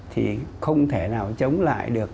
thì không thể nào chống lại được